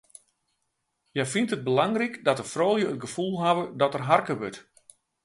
Hja fynt it belangryk dat de froulju it gefoel hawwe dat der harke wurdt.